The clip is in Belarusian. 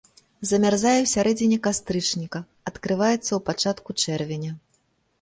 Замярзае ў сярэдзіне кастрычніка, адкрываецца ў пачатку чэрвеня.